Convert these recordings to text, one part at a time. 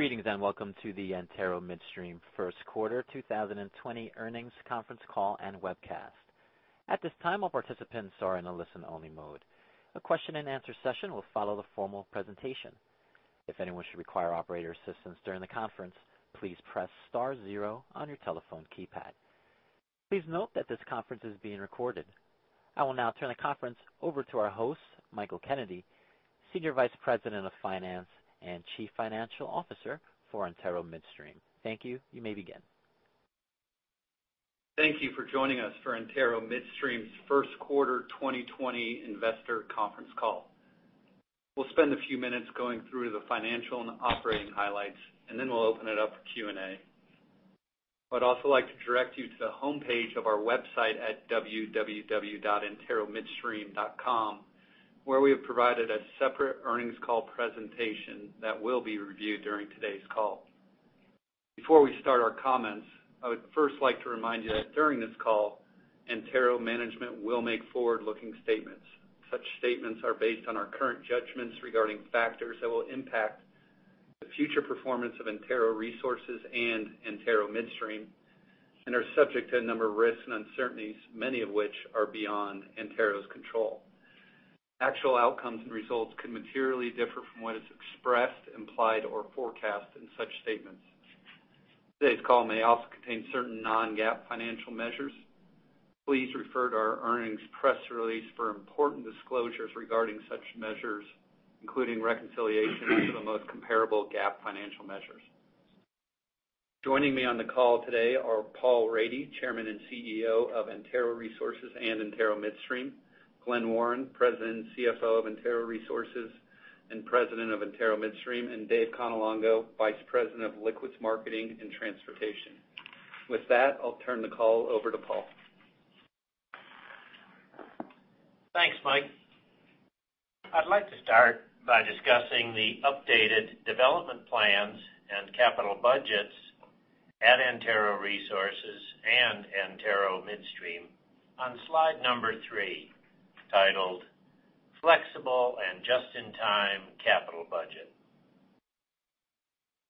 Greetings, welcome to the Antero Midstream first quarter 2020 earnings conference call and webcast. At this time, all participants are in a listen-only mode. A question and answer session will follow the formal presentation. If anyone should require operator assistance during the conference, please press star zero on your telephone keypad. Please note that this conference is being recorded. I will now turn the conference over to our host, Michael Kennedy, Senior Vice President of Finance and Chief Financial Officer for Antero Midstream. Thank you. You may begin. Thank you for joining us for Antero Midstream's first quarter 2020 investor conference call. We'll spend a few minutes going through the financial and operating highlights, and then we'll open it up for Q&A. I'd also like to direct you to the homepage of our website at www.anteromidstream.com, where we have provided a separate earnings call presentation that will be reviewed during today's call. Before we start our comments, I would first like to remind you that during this call, Antero management will make forward-looking statements. Such statements are based on our current judgments regarding factors that will impact the future performance of Antero Resources and Antero Midstream and are subject to a number of risks and uncertainties, many of which are beyond Antero's control. Actual outcomes and results could materially differ from what is expressed, implied, or forecast in such statements. Today's call may also contain certain non-GAAP financial measures. Please refer to our earnings press release for important disclosures regarding such measures, including reconciliation to the most comparable GAAP financial measures. Joining me on the call today are Paul Rady, Chairman and CEO of Antero Resources and Antero Midstream; Glen Warren, President and CFO of Antero Resources and President of Antero Midstream; and Dave Cannelongo, Vice President of Liquids Marketing and Transportation. With that, I'll turn the call over to Paul. Thanks, Mike. I'd like to start by discussing the updated development plans and capital budgets at Antero Resources and Antero Midstream on slide number three, titled Flexible and Just-in-Time Capital Budget.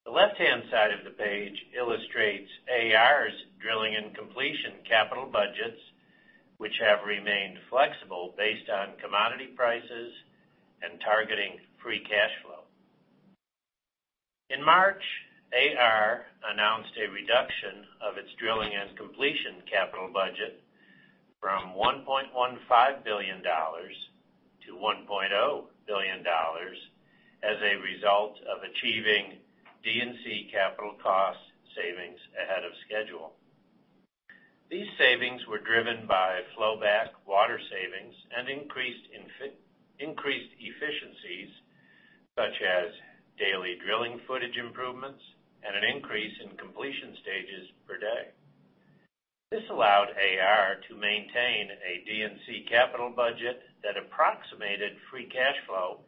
The left-hand side of the page illustrates AR's drilling and completion capital budgets, which have remained flexible based on commodity prices and targeting free cash flow. In March, AR announced a reduction of its drilling and completion capital budget from $1.15 billion-$1.0 billion as a result of achieving D&C capital cost savings ahead of schedule. These savings were driven by flow back water savings and increased efficiencies, such as daily drilling footage improvements and an increase in completion stages per day. This allowed AR to maintain a D&C capital budget that approximated free cash flow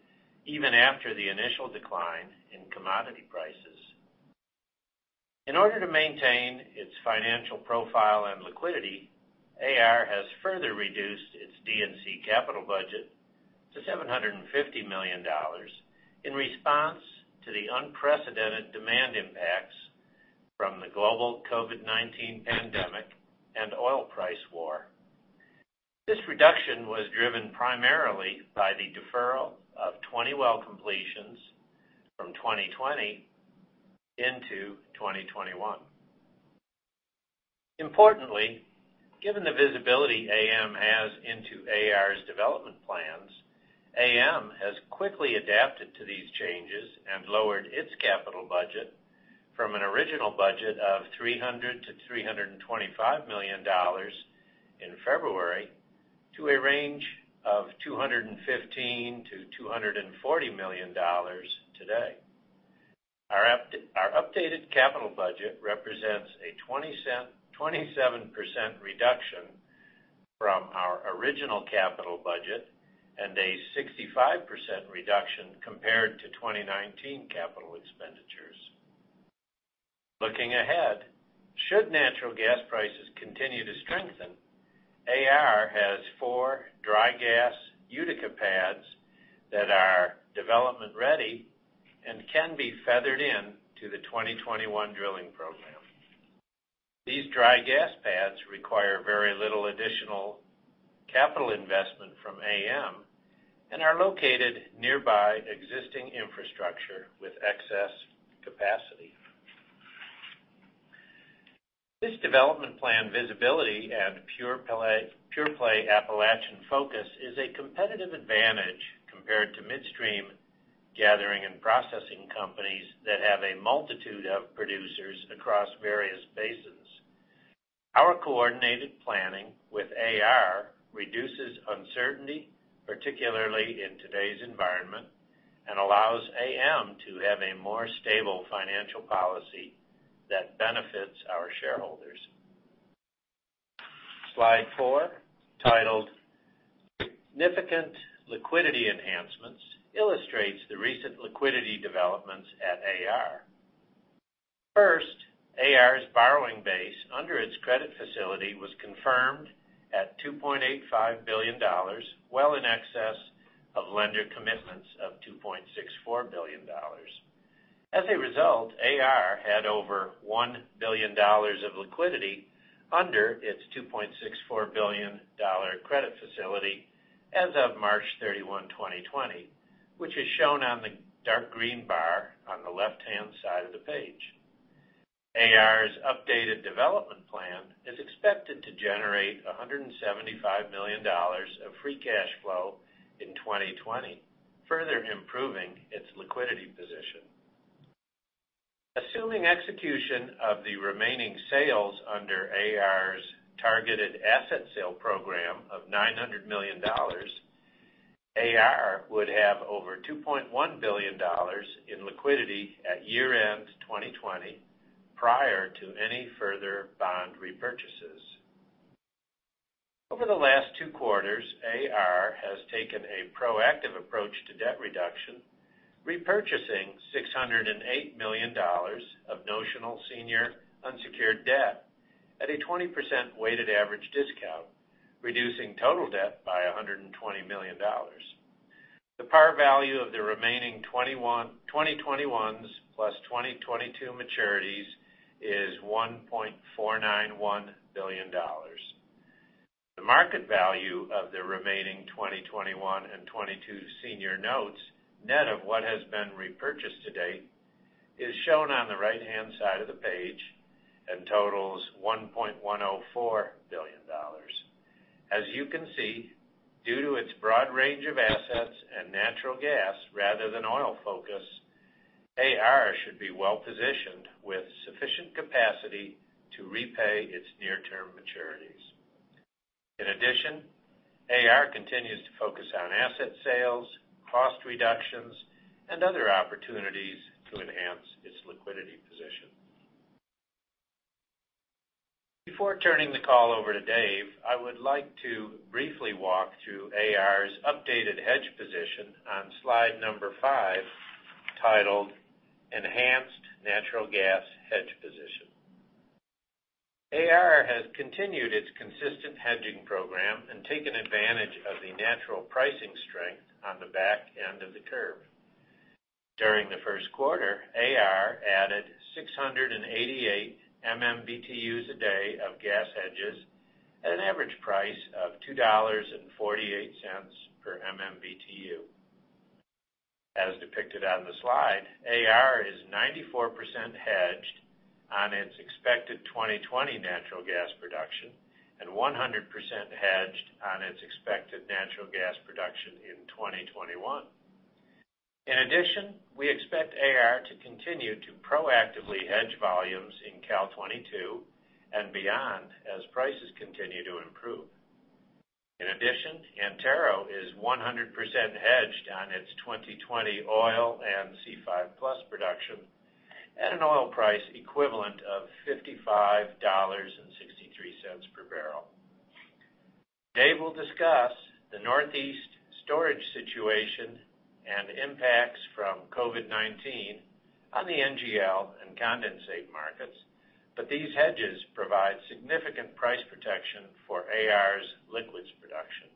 even after the initial decline in commodity prices. In order to maintain its financial profile and liquidity, AR has further reduced its D&C capital budget to $750 million in response to the unprecedented demand impacts from the global COVID-19 pandemic and oil price war. This reduction was driven primarily by the deferral of 20 well completions from 2020 into 2021. Importantly, given the visibility AM has into AR's development plans, AM has quickly adapted to these changes and lowered its capital budget from an original budget of $300 million-$325 million in February to a range of $215 million-$240 million today. Our updated capital budget represents a 27% reduction from our original capital budget and a 65% reduction compared to 2019 capital expenditures. Looking ahead, should natural gas prices continue to strengthen, AR has four dry gas Utica pads that are development-ready and can be feathered in to the 2021 drilling program. These dry gas pads require very little additional capital investment from AM and are located nearby existing infrastructure with excess capacity. This development plan visibility and pure-play Appalachian focus is a competitive advantage compared to midstream gathering and processing companies that have a multitude of producers across various basins. Our coordinated planning with AR reduces uncertainty, particularly in today's environment, and allows AM to have a more stable financial policy that benefits our shareholders. Slide four, titled Significant Liquidity Enhancements, illustrates the recent liquidity developments at AR. AR's borrowing base under its credit facility was confirmed at $2.85 billion, well in excess of lender commitments of $2.64 billion. As a result, AR had over $1 billion of liquidity under its $2.64 billion credit facility as of March 31, 2020, which is shown on the dark green bar on the left-hand side of the page. AR's updated development plan is expected to generate $175 million of free cash flow in 2020, further improving its liquidity position. Assuming execution of the remaining sales under AR's targeted asset sale program of $900 million, AR would have over $2.1 billion in liquidity at year-end 2020, prior to any further bond repurchases. Over the last two quarters, AR has taken a proactive approach to debt reduction, repurchasing $608 million of notional senior unsecured debt at a 20% weighted average discount, reducing total debt by $120 million. The par value of the remaining 2021 plus 2022 maturities is $1.491 billion. The market value of the remaining 2021 and 2022 senior notes, net of what has been repurchased to date, is shown on the right-hand side of the page and totals $1.104 billion. As you can see, due to its broad range of assets and natural gas rather than oil focus, AR should be well-positioned with sufficient capacity to repay its near-term maturities. AR continues to focus on asset sales, cost reductions, and other opportunities to enhance its liquidity position. Before turning the call over to Dave, I would like to briefly walk through AR's updated hedge position on slide number five, titled Enhanced Natural Gas Hedge Position. AR has continued its consistent hedging program and taken advantage of the natural pricing strength on the back end of the curve. During the first quarter, AR added 688 MMBTUs a day of gas hedges at an average price of $2.48 per MMBTU. As depicted on the slide, AR is 94% hedged on its expected 2020 natural gas production, and 100% hedged on its expected natural gas production in 2021. In addition, we expect AR to continue to proactively hedge volumes in Cal 2022 and beyond as prices continue to improve. In addition, Antero is 100% hedged on its 2020 oil and C5+ production at an oil price equivalent of $55.63 per barrel. Dave will discuss the Northeast storage situation and impacts from COVID-19 on the NGL and condensate markets, but these hedges provide significant price protection for AR's liquids production.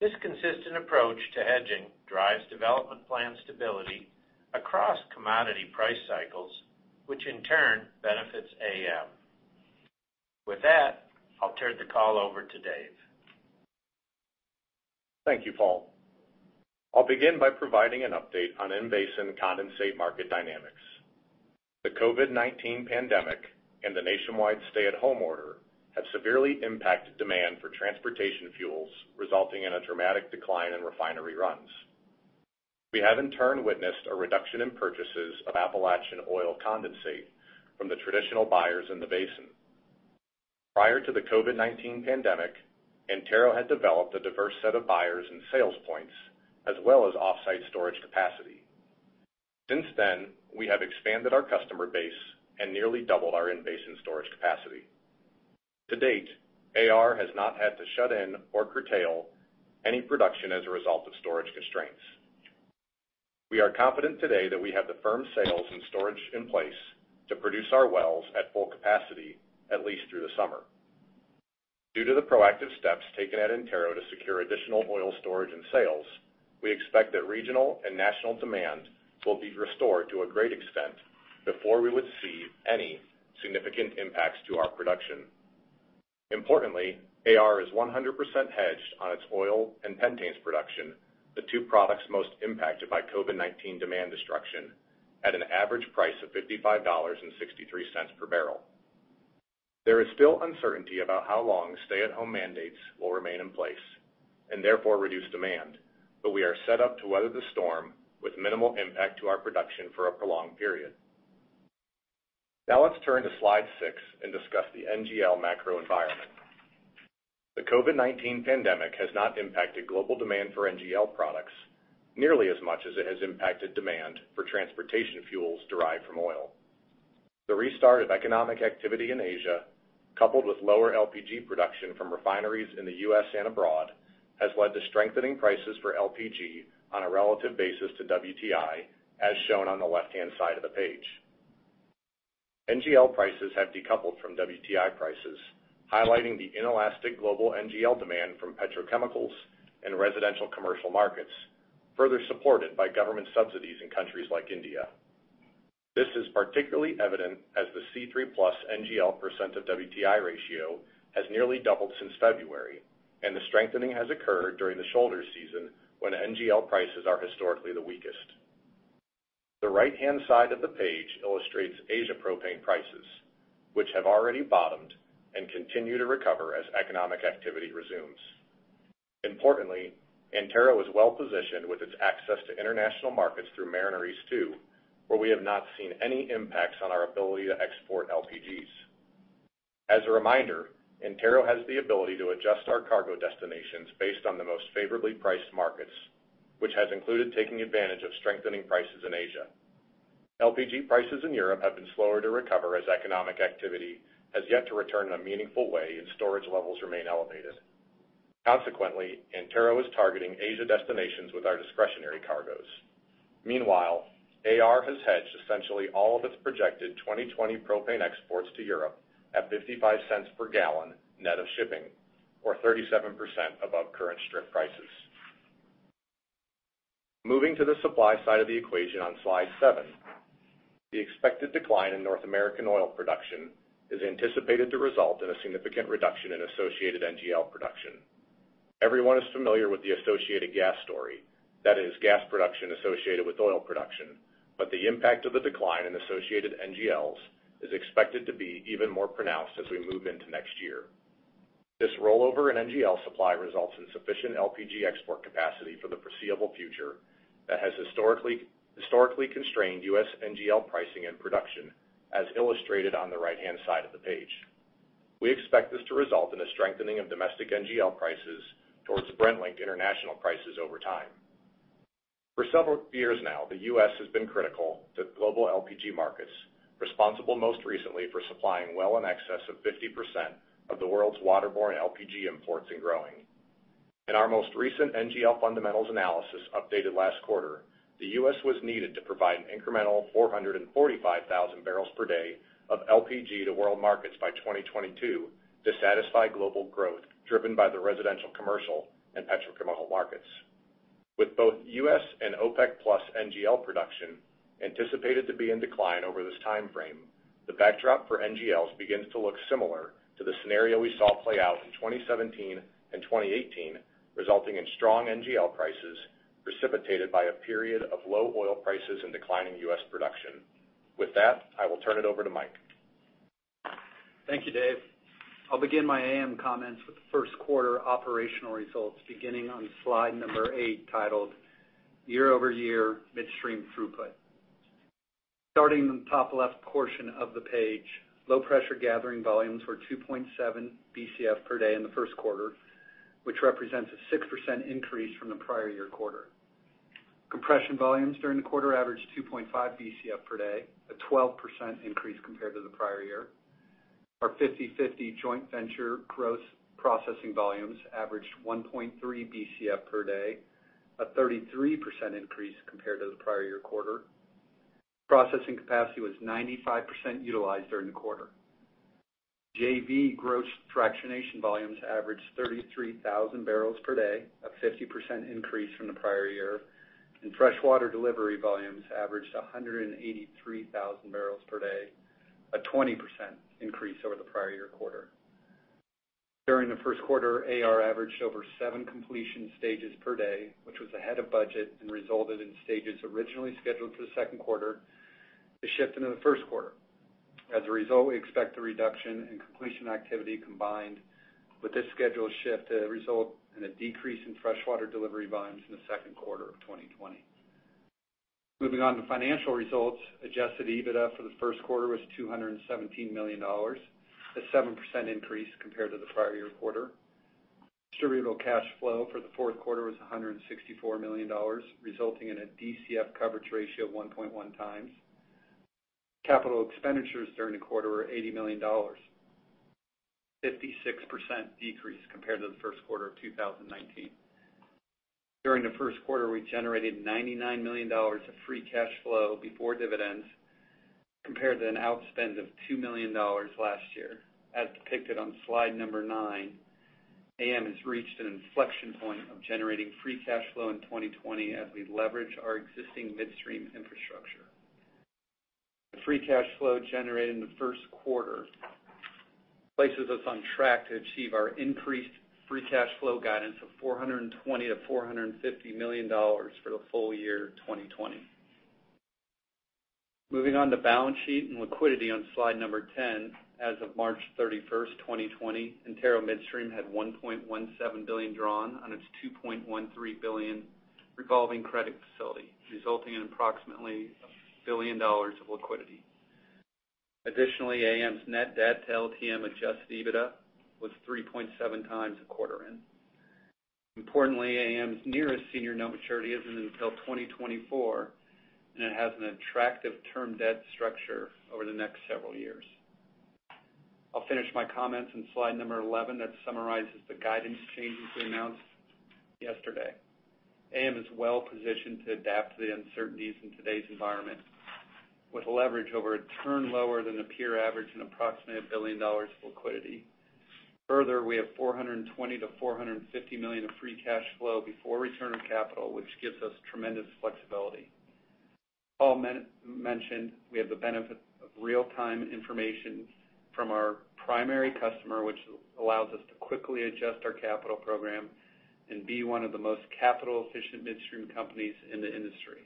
This consistent approach to hedging drives development plan stability across commodity price cycles, which in turn benefits AM. With that, I'll turn the call over to Dave. Thank you, Paul. I'll begin by providing an update on in-basin condensate market dynamics. The COVID-19 pandemic and the nationwide stay-at-home order have severely impacted demand for transportation fuels, resulting in a dramatic decline in refinery runs. We have, in turn, witnessed a reduction in purchases of Appalachian oil condensate from the traditional buyers in the basin. Prior to the COVID-19 pandemic, Antero had developed a diverse set of buyers and sales points, as well as offsite storage capacity. Since then, we have expanded our customer base and nearly doubled our in-basin storage capacity. To date, AR has not had to shut in or curtail any production as a result of storage constraints. We are confident today that we have the firm sales and storage in place to produce our wells at full capacity, at least through the summer. Due to the proactive steps taken at Antero to secure additional oil storage and sales, we expect that regional and national demand will be restored to a great extent before we would see any significant impacts to our production. Importantly, AR is 100% hedged on its oil and pentanes production, the two products most impacted by COVID-19 demand destruction, at an average price of $55.63 per barrel. There is still uncertainty about how long stay-at-home mandates will remain in place, and therefore reduce demand, but we are set up to weather the storm with minimal impact to our production for a prolonged period. Now let's turn to slide six and discuss the NGL macro environment. The COVID-19 pandemic has not impacted global demand for NGL products nearly as much as it has impacted demand for transportation fuels derived from oil. The restart of economic activity in Asia, coupled with lower LPG production from refineries in the U.S. and abroad has led to strengthening prices for LPG on a relative basis to WTI, as shown on the left-hand side of the page. NGL prices have decoupled from WTI prices, highlighting the inelastic global NGL demand from petrochemicals and residential commercial markets, further supported by government subsidies in countries like India. This is particularly evident as the C3+ NGL percent of WTI ratio has nearly doubled since February, and the strengthening has occurred during the shoulder season when NGL prices are historically the weakest. The right-hand side of the page illustrates Asia propane prices, which have already bottomed and continue to recover as economic activity resumes. Importantly, Antero is well-positioned with its access to international markets through Mariner East 2, where we have not seen any impacts on our ability to export LPGs. As a reminder, Antero has the ability to adjust our cargo destinations based on the most favorably priced markets, which has included taking advantage of strengthening prices in Asia. LPG prices in Europe have been slower to recover as economic activity has yet to return in a meaningful way and storage levels remain elevated. Consequently, Antero is targeting Asia destinations with our discretionary cargoes. Meanwhile, AR has hedged essentially all of its projected 2020 propane exports to Europe at $0.55 per gallon net of shipping, or 37% above current strip prices. Moving to the supply side of the equation on slide seven. The expected decline in North American oil production is anticipated to result in a significant reduction in associated NGL production. Everyone is familiar with the associated gas story, that is gas production associated with oil production, but the impact of the decline in associated NGLs is expected to be even more pronounced as we move into next year. This rollover in NGL supply results in sufficient LPG export capacity for the foreseeable future that has historically constrained U.S. NGL pricing and production, as illustrated on the right-hand side of the page. We expect this to result in a strengthening of domestic NGL prices towards Brent-linked international prices over time. For several years now, the U.S. has been critical to global LPG markets, responsible most recently for supplying well in excess of 50% of the world's waterborne LPG imports and growing. In our most recent NGL fundamentals analysis updated last quarter, the U.S. was needed to provide an incremental 445,000 bpd of LPG to world markets by 2022 to satisfy global growth driven by the residential, commercial, and petrochemical markets. With both U.S. and OPEC plus NGL production anticipated to be in decline over this timeframe, the backdrop for NGLs begins to look similar to the scenario we saw play out in 2017 and 2018, resulting in strong NGL prices precipitated by a period of low oil prices and declining U.S. production. With that, I will turn it over to Mike. Thank you, Dave. I'll begin my AM comments with the first quarter operational results, beginning on slide number eight, titled Year Over Year Midstream Throughput. Starting in the top left portion of the page, low-pressure gathering volumes were 2.7 Bcf per day in the first quarter, which represents a 6% increase from the prior year quarter. Compression volumes during the quarter averaged 2.5 Bcf per day, a 12% increase compared to the prior year. Our 50/50 joint venture gross processing volumes averaged 1.3 Bcf per day, a 33% increase compared to the prior year quarter. Processing capacity was 95% utilized during the quarter. JV gross fractionation volumes averaged 33,000 bpd, a 50% increase from the prior year. Freshwater delivery volumes averaged 183,000 bpd, a 20% increase over the prior year quarter. During the first quarter, AR averaged over seven completion stages per day, which was ahead of budget and resulted in stages originally scheduled for the second quarter to shift into the first quarter. As a result, we expect the reduction in completion activity combined with this schedule shift to result in a decrease in freshwater delivery volumes in the second quarter of 2020. Moving on to financial results. Adjusted EBITDA for the first quarter was $217 million, a 7% increase compared to the prior year quarter. Distributable cash flow for the fourth quarter was $164 million, resulting in a DCF coverage ratio of 1.1 times. Capital expenditures during the quarter were $80 million, 56% decrease compared to the first quarter of 2019. During the first quarter, we generated $99 million of free cash flow before dividends compared to an outspend of $2 million last year. As depicted on slide number nine, AM has reached an inflection point of generating free cash flow in 2020 as we leverage our existing midstream infrastructure. The free cash flow generated in the first quarter places us on track to achieve our increased free cash flow guidance of $420 million-$450 million for the full year 2020. Moving on to balance sheet and liquidity on slide number 10, as of March 31st, 2020, Antero Midstream had $1.17 billion drawn on its $2.13 billion revolving credit facility, resulting in approximately $1 billion of liquidity. Additionally, AM's net debt to LTM Adjusted EBITDA was 3.7 times at quarter end. Importantly, AM's nearest senior note maturity isn't until 2024. It has an attractive term debt structure over the next several years. I'll finish my comments on slide number 11 that summarizes the guidance changes we announced yesterday. AM is well-positioned to adapt to the uncertainties in today's environment with leverage over a turn lower than the peer average and approximate $1 billion of liquidity. Further, we have $420 million-$450 million of free cash flow before return of capital, which gives us tremendous flexibility. Paul mentioned we have the benefit of real-time information from our primary customer, which allows us to quickly adjust our capital program and be one of the most capital-efficient midstream companies in the industry.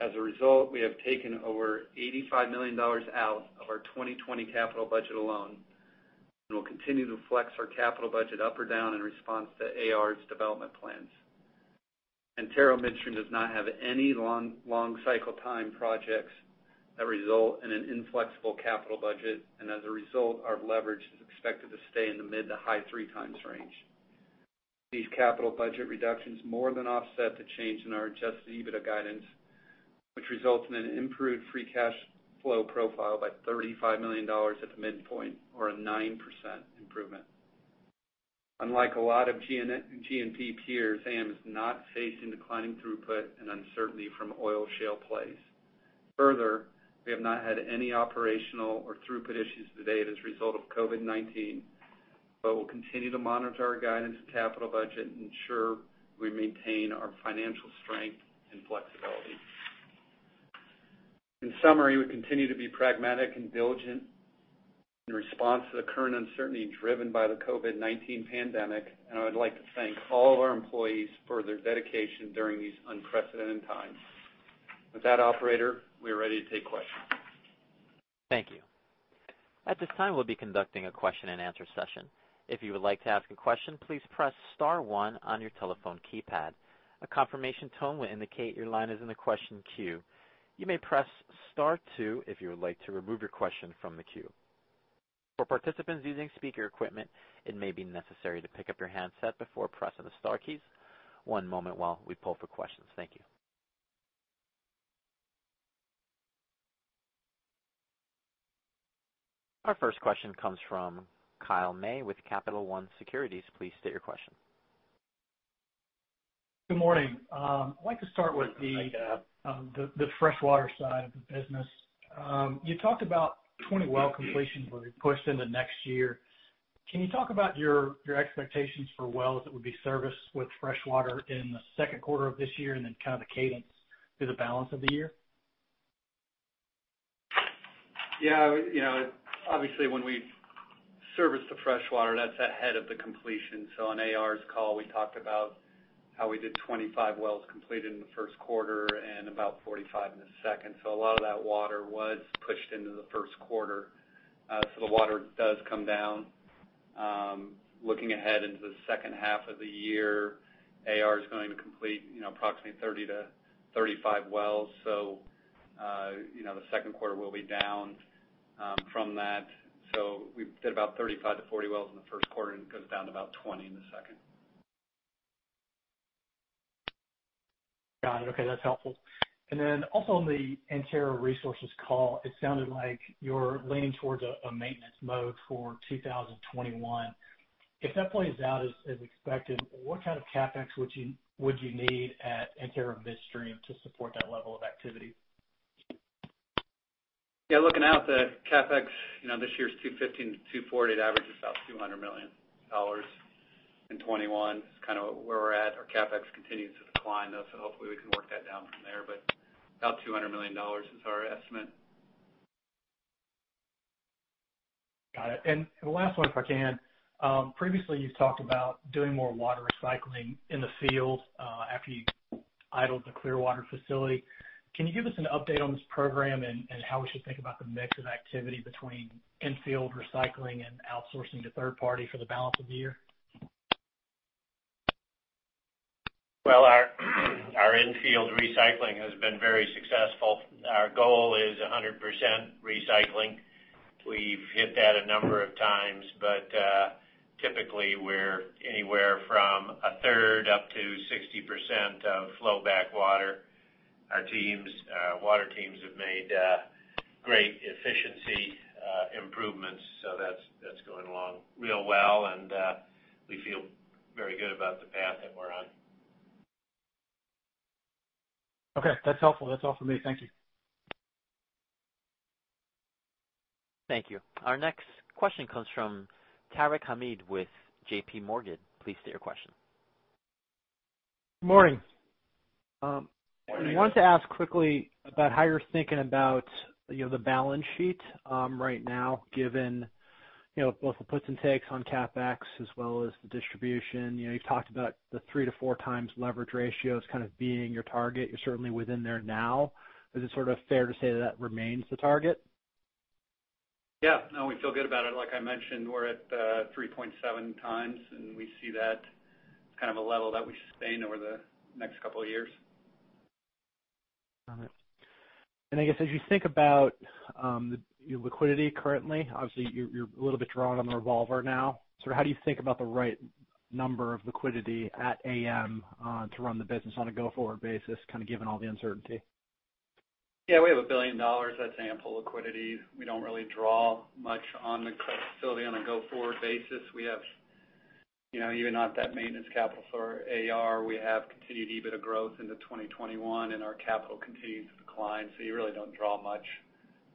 As a result, we have taken over $85 million out of our 2020 capital budget alone, and we'll continue to flex our capital budget up or down in response to AR's development plans. Antero Midstream does not have any long cycle time projects that result in an inflexible capital budget, and as a result, our leverage is expected to stay in the mid to high three times range. These capital budget reductions more than offset the change in our Adjusted EBITDA guidance, which results in an improved free cash flow profile by $35 million at the midpoint or a 9% improvement. Unlike a lot of G&P peers, AM is not facing declining throughput and uncertainty from oil shale plays. We have not had any operational or throughput issues to date as a result of COVID-19, but we'll continue to monitor our guidance and capital budget and ensure we maintain our financial strength and flexibility. We continue to be pragmatic and diligent in response to the current uncertainty driven by the COVID-19 pandemic, and I would like to thank all of our employees for their dedication during these unprecedented times. Operator, we are ready to take questions. Thank you. At this time, we'll be conducting a question and answer session. If you would like to ask a question, please press star one on your telephone keypad. A confirmation tone will indicate your line is in the question queue. You may press star two if you would like to remove your question from the queue. For participants using speaker equipment, it may be necessary to pick up your handset before pressing the star keys. One moment while we pull for questions. Thank you. Our first question comes from Kyle May with Capital One Securities. Please state your question. Good morning. I'd like to start with. Good morning, Kyle. The freshwater side of the business. You talked about 20 well completions were pushed into next year. Can you talk about your expectations for wells that would be serviced with freshwater in the second quarter of this year and then kind of the cadence through the balance of the year? Yeah. Obviously, when we service the freshwater, that's ahead of the completion. On AR's call, we talked about how we did 25 wells completed in the first quarter and about 45 in the second. A lot of that water was pushed into the first quarter. The water does come down. Looking ahead into the second half of the year, AR is going to complete approximately 30 to 35 wells. The second quarter will be down from that. We did about 35 to 40 wells in the first quarter, and it goes down to about 20 in the second. Got it. Okay. That's helpful. Also on the Antero Resources call, it sounded like you're leaning towards a maintenance mode for 2021. If that plays out as expected, what kind of CapEx would you need at Antero Midstream to support that level of activity? Yeah, looking out, the CapEx, this year's $215-$240. It averages about $200 million. In 2021 is kind of where we're at. Our CapEx continues to decline, though, so hopefully we can work that down from there, but about $200 million is our estimate. Got it. The last one, if I can. Previously, you talked about doing more water recycling in the field, after you idled the Clearwater Facility. Can you give us an update on this program and how we should think about the mix of activity between infield recycling and outsourcing to third party for the balance of the year? Well, our infield recycling has been very successful. Our goal is 100% recycling. We've hit that a number of times, but typically, we're anywhere from 1/3 up to 60% of flow back water. Our water teams have made great efficiency improvements, so that's going along real well, and we feel very good about the path that we're on. Okay. That's helpful. That's all for me. Thank you. Thank you. Our next question comes from Tarek Hamid with JPMorgan. Please state your question. Good morning. Morning. I wanted to ask quickly about how you're thinking about the balance sheet right now, given both the puts and takes on CapEx as well as the distribution. You've talked about the three to four times leverage ratio as kind of being your target. You're certainly within there now. Is it sort of fair to say that remains the target? Yeah. No, we feel good about it. Like I mentioned, we're at 3.7 times. We see that as kind of a level that we sustain over the next couple of years. Got it. I guess as you think about your liquidity currently, obviously, you're a little bit drawn on the revolver now. How do you think about the right number of liquidity at AM to run the business on a go-forward basis, kind of given all the uncertainty? Yeah, we have $1 billion. That's ample liquidity. We don't really draw much on the credit facility on a go-forward basis. We have even off that maintenance capital for AR. We have continued EBITDA growth into 2021, and our capital continues to decline, so you really don't draw much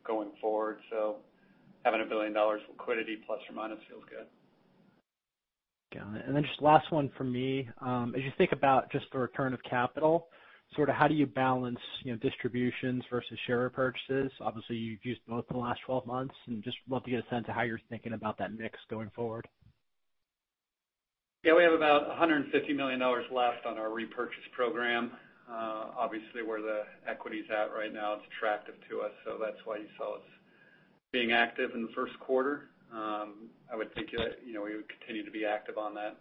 going forward. Having $1 billion liquidity plus or minus feels good. Got it. Just last one from me. As you think about just the return of capital, how do you balance distributions versus share repurchases? Obviously, you've used both in the last 12 months, and just love to get a sense of how you're thinking about that mix going forward. We have about $150 million left on our repurchase program. Obviously, where the equity's at right now, it's attractive to us, so that's why you saw us being active in the first quarter. I would think we would continue to be active on that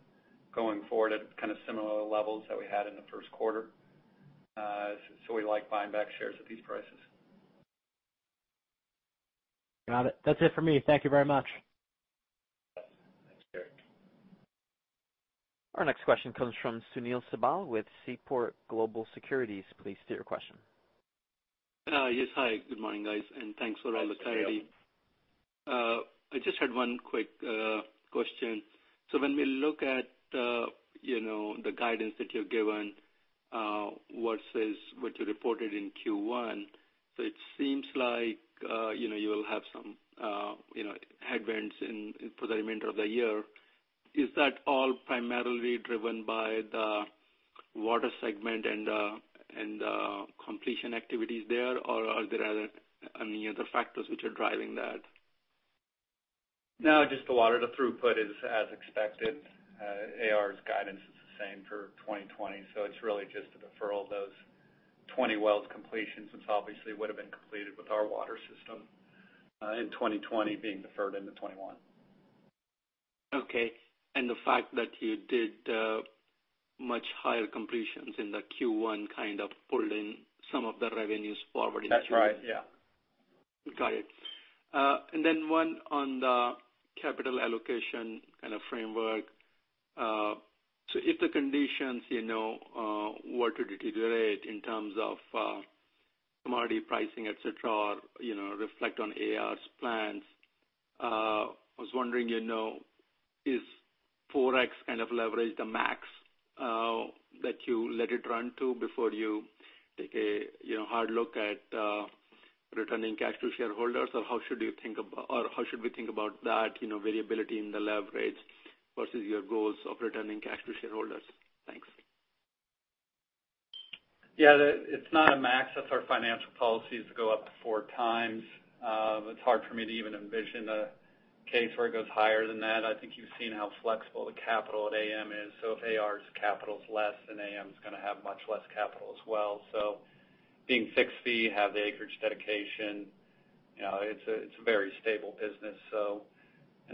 going forward at similar levels that we had in the first quarter. We like buying back shares at these prices. Got it. That's it for me. Thank you very much. Thanks, Tarek. Our next question comes from Sunil Sibal with Seaport Global Securities. Please state your question. Yes. Hi, good morning, guys, and thanks for all the clarity. Hi, Sunil. I just had one quick question. When we look at the guidance that you've given versus what you reported in Q1, it seems like you will have some headwinds for the remainder of the year. Is that all primarily driven by the water segment and the completion activities there, or are there any other factors which are driving that? No, just the water. The throughput is as expected. AR's guidance is the same for 2020. It's really just a deferral of those 20 well completions, which obviously would've been completed with our water system in 2020 being deferred into 2021. Okay, the fact that you did much higher completions in the Q1 kind of pulled in some of the revenues forward in Q1? That's right, yeah. Got it. Then one on the capital allocation kind of framework. If the conditions were to deteriorate in terms of commodity pricing, et cetera, or reflect on AR's plans, I was wondering, is 4x kind of leverage the max that you let it run to before you take a hard look at returning cash to shareholders? How should we think about that variability in the leverage versus your goals of returning cash to shareholders? Thanks. Yeah. It's not a max. That's our financial policy is to go up to 4x. It's hard for me to even envision a case where it goes higher than that. I think you've seen how flexible the capital at AM is. If AR's capital's less, then AM's going to have much less capital as well. Being fixed fee, have the acreage dedication, it's a very stable business.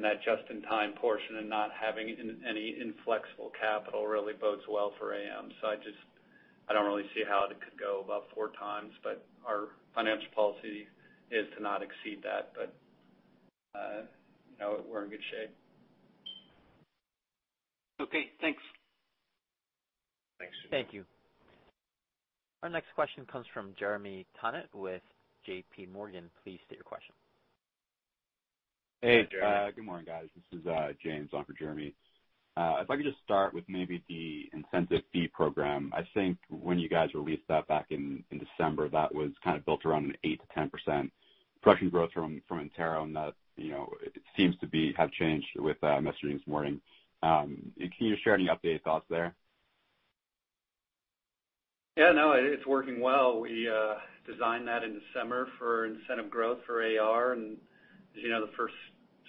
That just-in-time portion and not having any inflexible capital really bodes well for AM. I don't really see how it could go above 4x, but our financial policy is to not exceed that. We're in good shape. Okay, thanks. Thanks, Sunil. Thank you. Our next question comes from Jeremy Tonet with JPMorgan. Please state your question. Hey. Hi, Jeremy. Good morning, guys. This is James on for Jeremy. If I could just start with maybe the incentive fee program. I think when you guys released that back in December, that was kind of built around an 8%-10% production growth from Antero, That it seems to have changed with the messaging this morning. Can you share any updated thoughts there? Yeah, no, it's working well. We designed that in December for incentive growth for AR. As you know, the first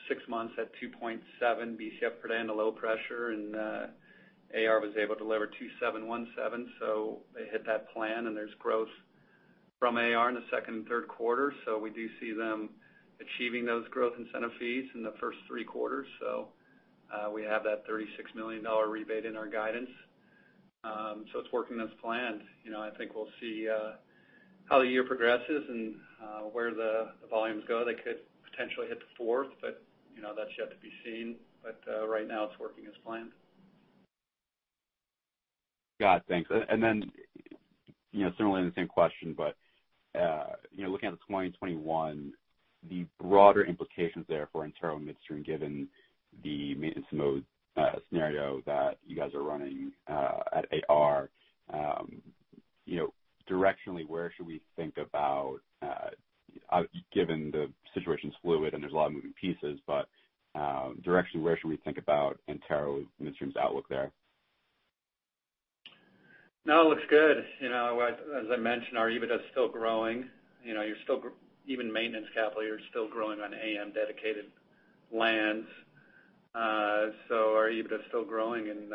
six months at 2.7 Bcf per day on the low pressure, AR was able to deliver 2.717, so they hit that plan, and there's growth from AR in the second and third quarter. We do see them achieving those growth incentive fees in the first three quarters. We have that $36 million rebate in our guidance. It's working as planned. I think we'll see how the year progresses and where the volumes go. They could potentially hit the fourth, that's yet to be seen. Right now, it's working as planned. Got it, thanks. Similarly in the same question, but looking at the 2021, the broader implications there for Antero Midstream, given the maintenance mode scenario that you guys are running at AR. Given the situation's fluid and there's a lot of moving pieces, but directionally, where should we think about Antero Midstream's outlook there? No, it looks good. As I mentioned, our EBITDA's still growing. Even maintenance capital, you're still growing on AM-dedicated lands. Our EBITDA's still growing in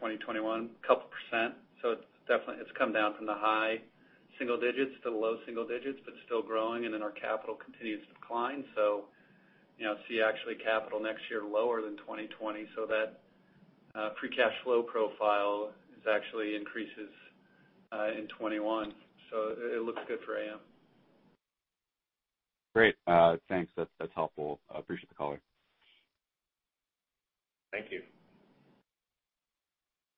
2021, a couple percent. It's come down from the high single digits to the low single digits, but it's still growing, and then our capital continues to decline. See actually capital next year lower than 2020. That free cash flow profile is actually increases in 2021. It looks good for AM. Great. Thanks. That's helpful. I appreciate the color. Thank you.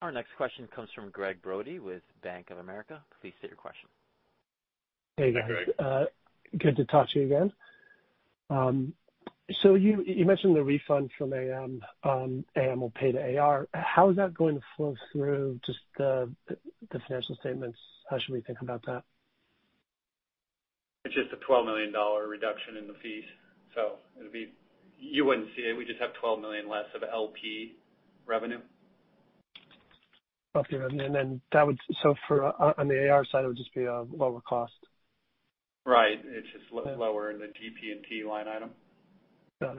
Our next question comes from Gregg Brody with Bank of America. Please state your question. Hey, guys. Hi, Gregg. Good to talk to you again. You mentioned the refund from AM will pay to AR. How is that going to flow through just the financial statements? How should we think about that? It's just a $12 million reduction in the fees. You wouldn't see it. We just have $12 million less of LP revenue. Okay. On the AR side, it would just be a lower cost. Right. It's just lower in the TP&T line item. Got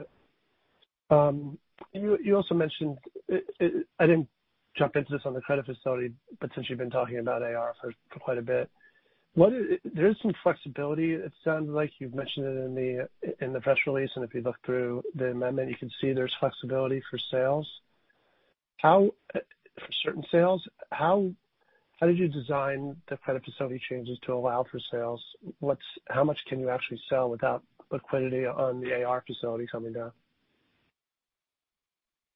it. You also mentioned, I didn't jump into this on the credit facility, but since you've been talking about AR for quite a bit. There is some flexibility, it sounds like you've mentioned it in the press release, and if you look through the amendment, you can see there's flexibility for sales. For certain sales, how did you design the credit facility changes to allow for sales? How much can you actually sell without liquidity on the AR facility coming down?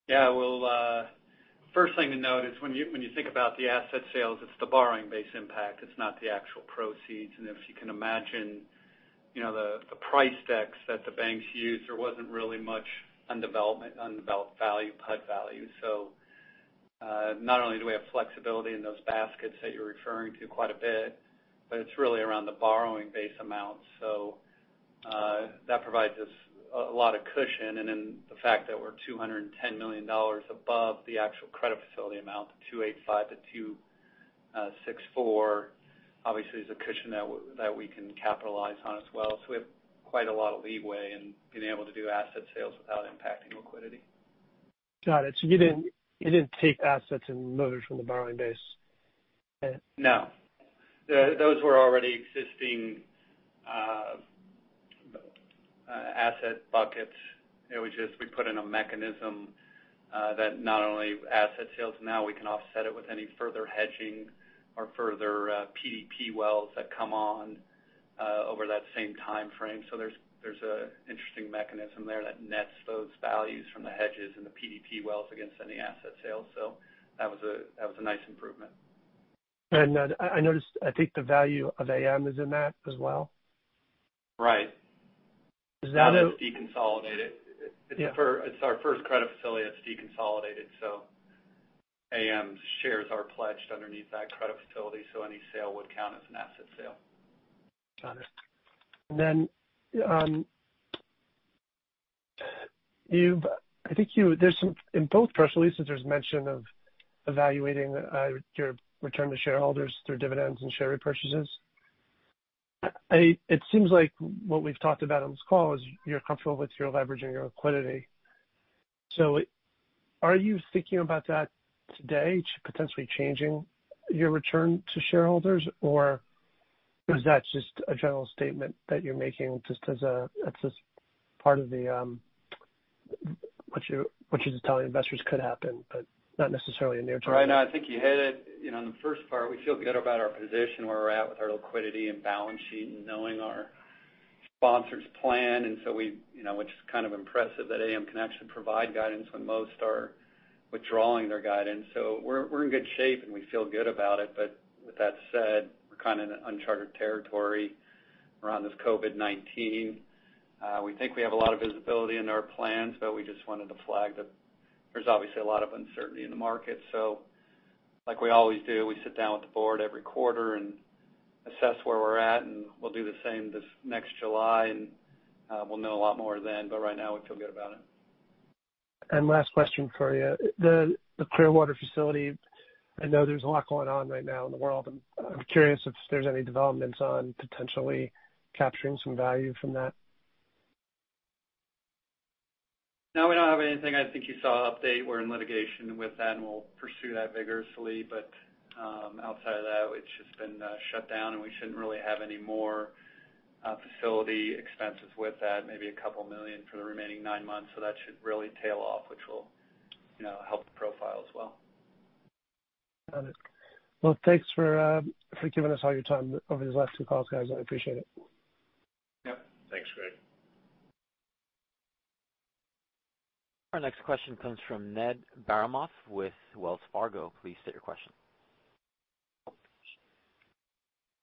Well, first thing to note is when you think about the asset sales, it's the borrowing base impact. It's not the actual proceeds. If you can imagine the price decks that the banks used, there wasn't really much undeveloped value, PUD value. Not only do we have flexibility in those baskets that you're referring to quite a bit, but it's really around the borrowing base amount. That provides us a lot of cushion. The fact that we're $210 million above the actual credit facility amount, the $285 million-$264 million obviously is a cushion that we can capitalize on as well. We have quite a lot of leeway in being able to do asset sales without impacting liquidity. Got it. You didn't take assets and remove from the borrowing base? No. Those were already existing asset buckets. We put in a mechanism that not only asset sales now, we can offset it with any further hedging or further PDP wells that come on over that same timeframe. There's an interesting mechanism there that nets those values from the hedges and the PDP wells against any asset sales. That was a nice improvement. I noticed, I think the value of AM is in that as well. Right. Is that? It's deconsolidated. Yeah. It's our first credit facility that's deconsolidated. AM's shares are pledged underneath that credit facility, so any sale would count as an asset sale. Got it. In both press releases, there's mention of evaluating your return to shareholders through dividends and share repurchases. It seems like what we've talked about on this call is you're comfortable with your leverage and your liquidity. Are you thinking about that today, potentially changing your return to shareholders? Or is that just a general statement that you're making just as a part of what you're just telling investors could happen, but not necessarily in near term? Right. No, I think you hit it. On the first part, we feel good about our position, where we're at with our liquidity and balance sheet and knowing our sponsor's plan, which is kind of impressive that AM can actually provide guidance when most are withdrawing their guidance. We're in good shape, and we feel good about it. With that said, we're kind of in uncharted territory around this COVID-19. We think we have a lot of visibility in our plans, but we just wanted to flag that there's obviously a lot of uncertainty in the market. Like we always do, we sit down with the board every quarter and assess where we're at, and we'll do the same this next July, and we'll know a lot more then. Right now, we feel good about it. Last question for you. The Clearwater Facility, I know there's a lot going on right now in the world, I'm curious if there's any developments on potentially capturing some value from that. No, we don't have anything. I think you saw an update. We're in litigation with that, and we'll pursue that vigorously. Outside of that, it's just been shut down, and we shouldn't really have any more facility expenses with that. Maybe a couple million for the remaining nine months. That should really tail off, which will help the profile as well. Got it. Well, thanks for giving us all your time over these last two calls, guys. I appreciate it. Yep. Thanks, Gregg. Our next question comes from Ned Baramov with Wells Fargo. Please state your question.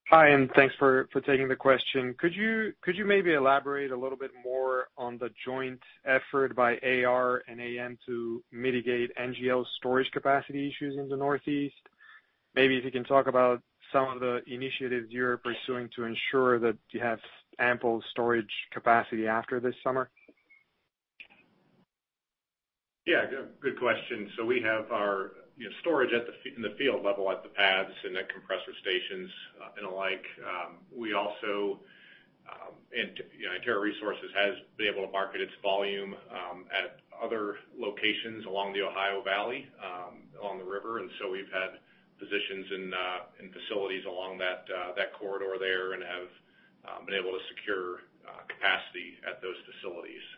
Hi. Thanks for taking the question. Could you maybe elaborate a little bit more on the joint effort by AR and AM to mitigate NGL storage capacity issues in the Northeast? Maybe if you can talk about some of the initiatives you're pursuing to ensure that you have ample storage capacity after this summer. Yeah. Good question. We have our storage in the field level at the pads and the compressor stations and the like. Antero Resources has been able to market its volume at other locations along the Ohio Valley, along the river. We've had positions in facilities along that corridor there and have been able to secure capacity at those facilities.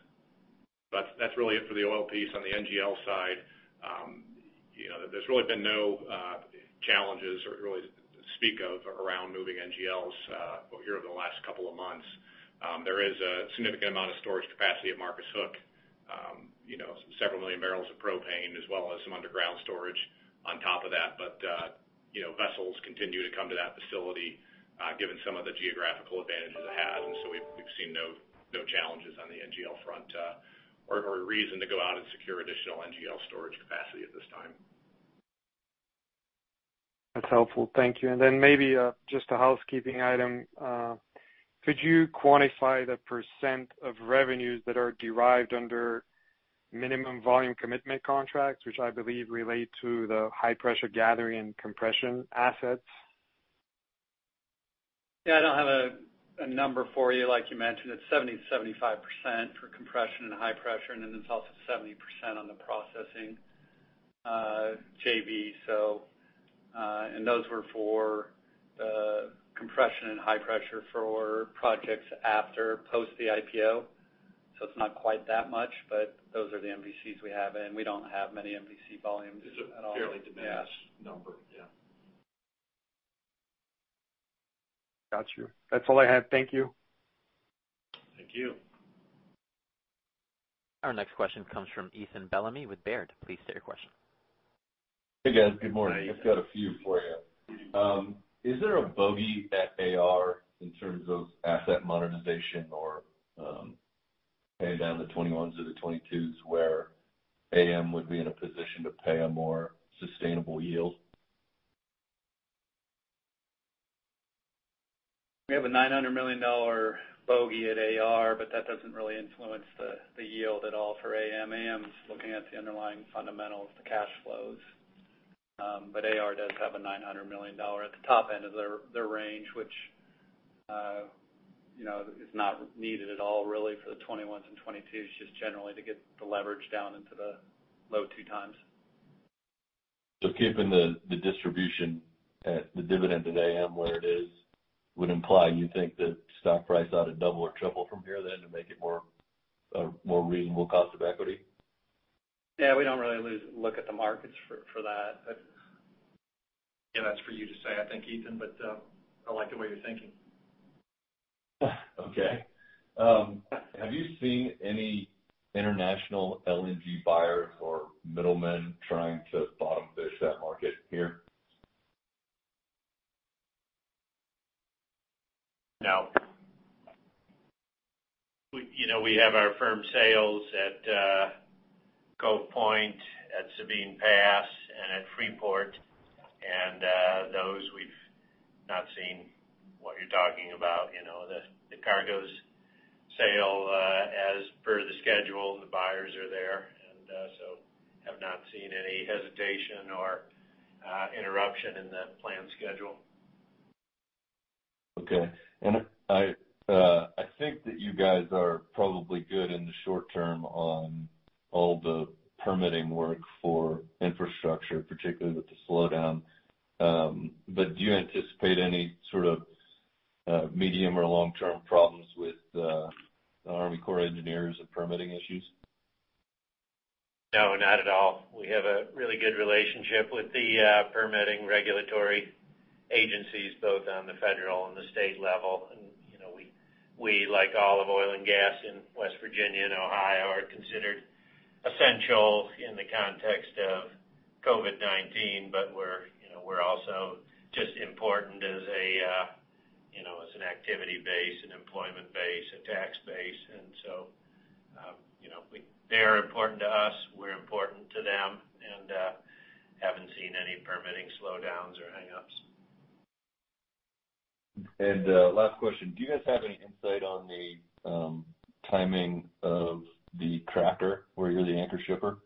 That's really it for the oil piece. On the NGL side There's really been no challenges really to speak of around moving NGLs here over the last couple of months. There is a significant amount of storage capacity at Marcus Hook. Several million barrels of propane as well as some underground storage on top of that. Vessels continue to come to that facility given some of the geographical advantages it has. We've seen no challenges on the NGL front or a reason to go out and secure additional NGL storage capacity at this time. That's helpful. Thank you. Maybe just a housekeeping item. Could you quantify the percent of revenues that are derived under minimum volume commitment contracts, which I believe relate to the high-pressure gathering and compression assets? Yeah, I don't have a number for you. Like you mentioned, it's 70%-75% for compression and high pressure, and then it's also 70% on the processing JV. Those were for the compression and high pressure for projects after post the IPO, so it's not quite that much, but those are the MVCs we have, and we don't have many MVC volumes at all. It's a fairly de minimis number. Yeah. Got you. That's all I had. Thank you. Thank you. Our next question comes from Ethan Bellamy with Baird. Please state your question. Hey, guys. Good morning. Just got a few for you. Is there a bogey at AR in terms of asset monetization or pay down the 2021s or the 2022s, where AM would be in a position to pay a more sustainable yield? We have a $900 million bogey at AR, but that doesn't really influence the yield at all for AM. AM's looking at the underlying fundamentals, the cash flows. AR does have a $900 million at the top end of their range, which is not needed at all really for the 2021 and 2022, just generally to get the leverage down into the low two times. Keeping the distribution at the dividend at AM where it is would imply you think that stock price ought to double or triple from here then to make it a more reasonable cost of equity? Yeah, we don't really look at the markets for that. That's for you to say, I think, Ethan, but I like the way you're thinking. Okay. Have you seen any international LNG buyers or middlemen trying to bottom-fish that market here? No. We have our firm sales at Cove Point, at Sabine Pass, and at Freeport, and those we've not seen what you're talking about. The cargoes sale as per the schedule, and the buyers are there. We have not seen any hesitation or interruption in the planned schedule. Okay. I think that you guys are probably good in the short term on all the permitting work for infrastructure, particularly with the slowdown. Do you anticipate any sort of medium or long-term problems with the Army Corps of Engineers or permitting issues? No, not at all. We have a really good relationship with the permitting regulatory agencies, both on the federal and the state level. We, like all of oil and gas in West Virginia and Ohio, are considered essential in the context of COVID-19. We're also just as important as an activity base, an employment base, a tax base. They are important to us, we're important to them, and haven't seen any permitting slowdowns or hang-ups. Last question. Do you guys have any insight on the timing of the cracker where you're the anchor shipper?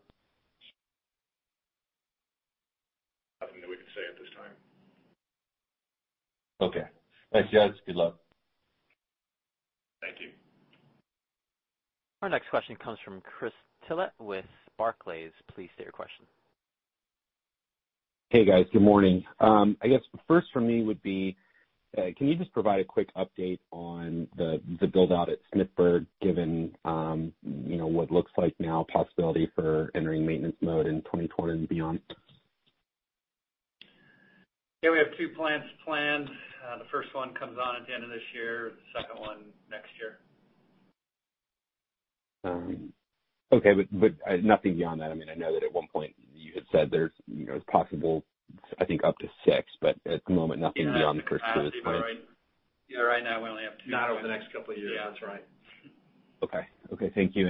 Nothing that we can say at this time. Okay. Thanks, guys. Good luck. Thank you. Our next question comes from Chris Tillett with Barclays. Please state your question. Hey, guys. Good morning. I guess first for me would be, can you just provide a quick update on the build-out at Smithburg, given what looks like now a possibility for entering maintenance mode in 2020 and beyond? Yeah, we have two plants planned. The first one comes on at the end of this year, the second one next year. Okay. Nothing beyond that? I know that at one point you had said there's a possible, I think, up to six. At the moment, nothing beyond the first two at this point? Yeah, right now we only have two. Not over the next couple of years. Yeah, that's right. Okay. Thank you.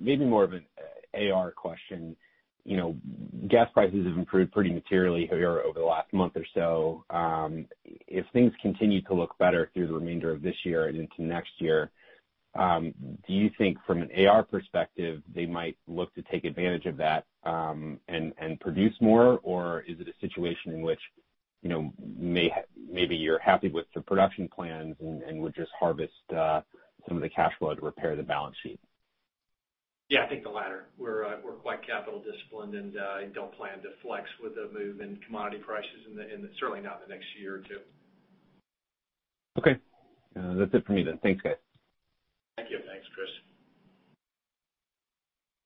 Maybe more of an AR question. Gas prices have improved pretty materially here over the last month or so. If things continue to look better through the remainder of this year and into next year, do you think from an AR perspective, they might look to take advantage of that and produce more? Is it a situation in which maybe you're happy with the production plans and would just harvest some of the cash flow to repair the balance sheet? Yeah, I think the latter. We're quite capital disciplined and don't plan to flex with the move in commodity prices, and certainly not in the next year or two. Okay. That's it for me then. Thanks, guys. Thank you. Thanks, Chris.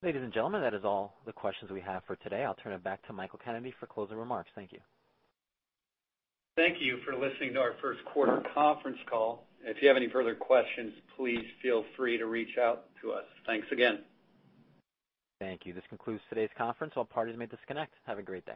Ladies and gentlemen, that is all the questions we have for today. I will turn it back to Michael Kennedy for closing remarks. Thank you. Thank you for listening to our first quarter conference call. If you have any further questions, please feel free to reach out to us. Thanks again. Thank you. This concludes today's conference. All parties may disconnect. Have a great day.